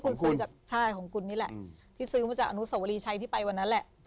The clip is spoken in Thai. คือสองจมซื้ออันตรายเลนิชย์ที่ไปวันนั้น